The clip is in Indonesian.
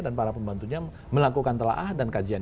dan para pembantunya melakukan telah dan kajian